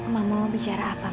mama mau bicara apa